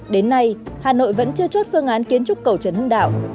đến nay hà nội vẫn chưa chốt phương án kiến trúc cầu trần hưng đạo